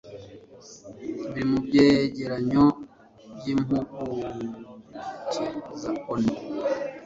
biri mu byegeranyo by'impuguke za ONU.